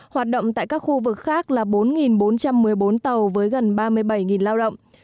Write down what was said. hoạt động tại các khu vực khác là bốn bốn trăm một mươi bốn tàu với gần ba mươi bảy lao động